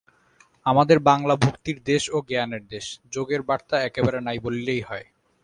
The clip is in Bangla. আমাদের বাঙলা ভক্তির দেশ ও জ্ঞানের দেশ, যোগের বার্তা একেবারে নাই বলিলেই হয়।